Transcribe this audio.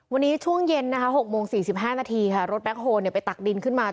วันนี้ช่วงเย็นนะคะ๖โมง๔๕นาทีค่ะรถแบ็คโฮลไปตักดินขึ้นมา